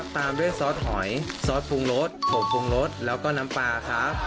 ตามด้วยซอสหอยซอสปรุงรสผงปรุงรสแล้วก็น้ำปลาครับ